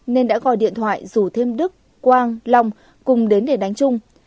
nên đã gọi điện thoại rủ thêm đức quang long cùng đến để đánh chung